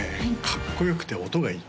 かっこよくて音がいい